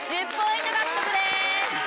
１０ポイント獲得です。